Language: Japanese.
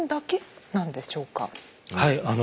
はい。